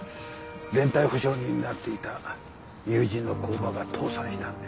連帯保証人になっていた友人の工場が倒産したんです。